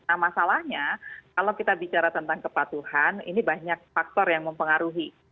nah masalahnya kalau kita bicara tentang kepatuhan ini banyak faktor yang mempengaruhi